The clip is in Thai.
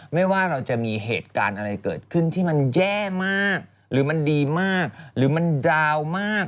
ไม่ว่าเราจะมีเหตุการณ์อะไรเกิดขึ้นที่มันแย่มากหรือมันดีมากหรือมันดาวมาก